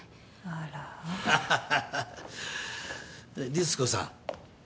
リツコさん